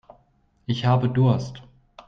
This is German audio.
Ich habe Durst.